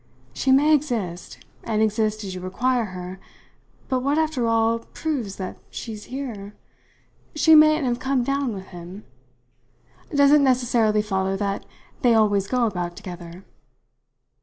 "She may exist and exist as you require her; but what, after all, proves that she's here? She mayn't have come down with him. Does it necessarily follow that they always go about together?"